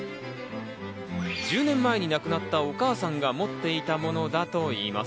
１０年前に亡くなったお母さんが持っていたものだといいます。